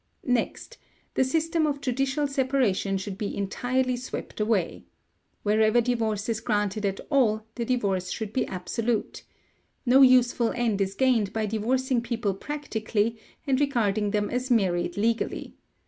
Next, the system of judicial separation should be entirely swept away. Wherever divorce is granted at all, the divorce should be absolute. No useful end is gained by divorcing people practically and regarding them as married legally.